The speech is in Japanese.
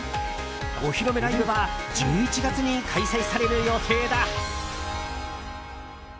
お披露目ライブは１１月に開催される予定だ。